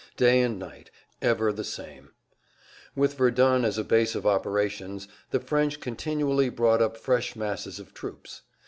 Day and night, ever the same. With Verdun as a base of operations the French continually[Pg 173] brought up fresh masses of troops.